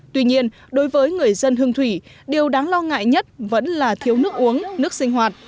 tuy nhiên đối với người dân hương thủy điều đáng lo ngại nhất vẫn là thiếu nước uống nước sinh hoạt